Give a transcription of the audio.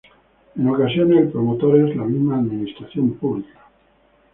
En ocasiones, el promotor es la misma Administración pública.